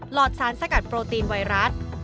อดสารสกัดโปรตีนไวรัส